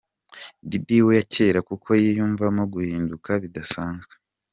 Diddy wa kera kuko yiyumvamo guhinduka bidasanzwe.